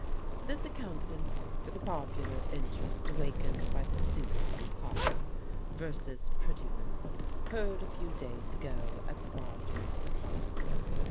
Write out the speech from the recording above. This accounts in part for the popular interest awakened by the suit of Cox versus Pretyman, heard a few days ago at the Bodmin Assizes.